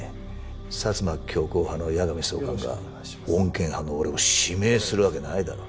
薩摩強硬派の矢上総監が穏健派の俺を指名するわけないだろ。